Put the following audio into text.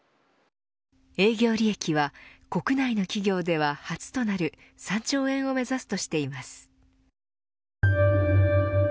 営業利益は国内の企業では初となる３兆円を目指すとしています。